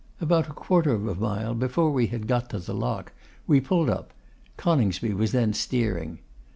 About a quarter of a mile before we had got to the Lock we pulled up; Coningsby was then steering.